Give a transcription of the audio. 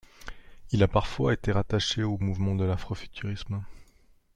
Il a parfois été rattaché au mouvement de l'afrofuturisme.